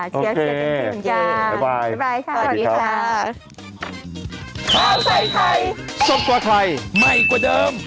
เชียร์เต็มที่คุณค่ะ